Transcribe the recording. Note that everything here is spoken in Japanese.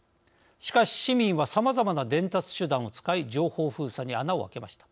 しかし、市民はさまざまな伝達手段を使い情報封鎖に穴をあけました。